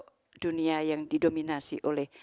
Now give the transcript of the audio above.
seluruh dunia yang didominasi oleh